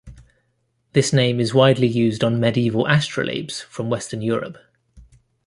This name is widely used on medieval astrolabes from Western Europe.